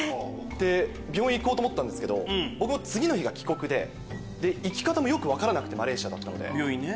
病院へ行こうと思ったんですけど次の日が帰国で行き方もよく分からなくてマレーシアだったので。